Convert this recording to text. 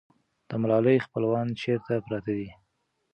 د ملالۍ خپلوان چېرته پراته دي؟